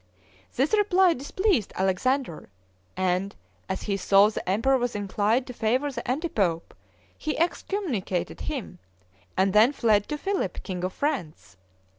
This reply displeased Alexander; and, as he saw the emperor was inclined to favor the anti pope, he excommunicated him, and then fled to Philip, king of France.